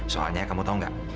soalnya kamu tau gak